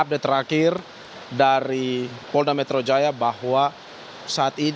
iya di jurat pasal tiga ratus tiga puluh delapan kuhp dengan ancaman maksimal hukuman sebanyak lima belas tahun